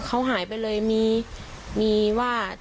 เขาหายไปเลยมีว่า